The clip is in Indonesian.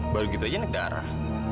baru gitu aja naik darah